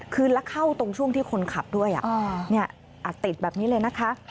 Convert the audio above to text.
คือแล้วเข้าตรงช่วงที่คนขับด้วยอัดติดแบบนี้เลยนะคะ